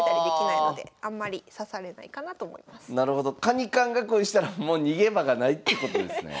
カニ缶囲いしたらもう逃げ場がないってことですね。